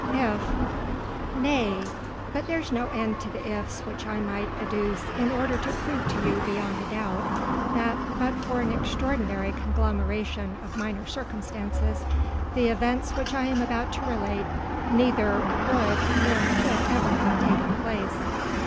If.... Nay! but there's no end to the Ifs which I might adduce in order to prove to you beyond a doubt that but for an extraordinary conglomeration of minor circumstances, the events which I am about to relate neither would nor could ever have taken place.